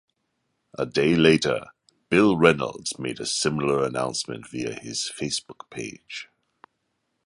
A day later, Bill Reynolds made a similar announcement via his Facebook page.